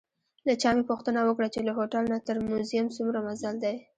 له چا مې پوښتنه وکړه چې له هوټل نه تر موزیم څومره مزل دی؟